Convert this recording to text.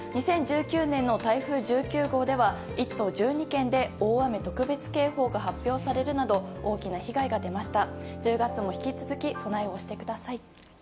２０１９年の台風１９号では１都１２県で大雨特別警報が発表されるなど大きな被害が出ました。